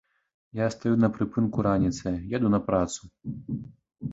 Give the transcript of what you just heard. Я стаю на прыпынку раніцай, еду на працу.